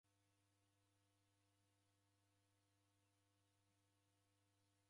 Ijo ibonyo jaboisa w'asi ghosow'ekelwa nim machi.